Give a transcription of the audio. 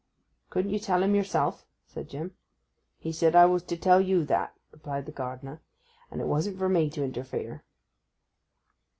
'Couldn't you tell him yourself?' said Jim. 'He said I was to tell you that,' replied the gardener; 'and it wasn't for me to interfere.